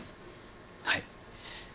はい。